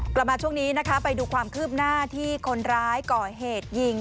กลับมาช่วงนี้นะคะไปดูความคืบหน้าที่คนร้ายก่อเหตุยิง